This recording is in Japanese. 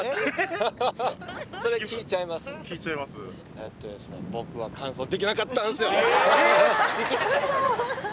えっとですね。